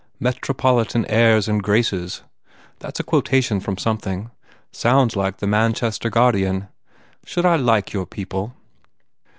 Metropol itan airs and graces! That s a quotation from something. Sounds like the Manchester Guard ian. Should I like your people?"